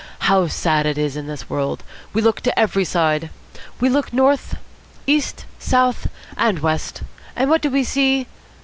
How sad it is in this world! We look to every side. We look north, east, south, and west, and what do we see?